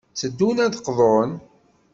Tteddun ad d-qḍun.